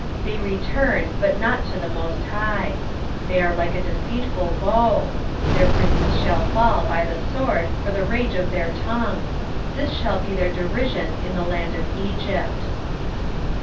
7:16 They return, but not to the most High: they are like a deceitful bow: their princes shall fall by the sword for the rage of their tongue: this shall be their derision in the land of Egypt.